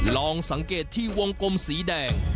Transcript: ลองสังเกตที่วงกลมสีแดง